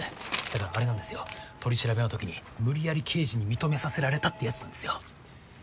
だからあれなんですよ取り調べのときに無理やり刑事に認めさせられたってやつなんですよ。